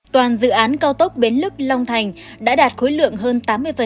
toàn dự án cao tốc bến lức long thành đã đạt khối lượng hơn tám mươi